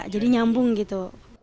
jadi nyambung gitu